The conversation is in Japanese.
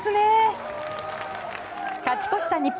勝ち越した日本。